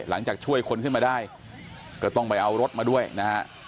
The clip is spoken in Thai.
หลังจากช่วยคนขึ้นมาได้ก็ต้องไปเอารถมาด้วยนะฮะ